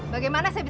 saya sudah selesai